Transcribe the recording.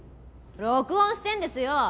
録音してんですよ！